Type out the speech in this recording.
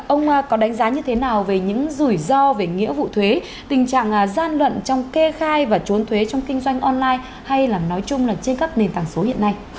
ông có đánh giá như thế nào về những rủi ro về nghĩa vụ thuế tình trạng gian lận trong kê khai và trốn thuế trong kinh doanh online hay là nói chung là trên các nền tảng số hiện nay